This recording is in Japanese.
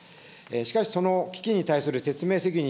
しかしその基金に対する説明責任